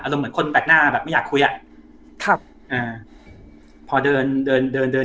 อารมณ์เหมือนคนแบกหน้าแบบไม่อยากคุยอ่ะครับอ่าพอเดินเดินเดิน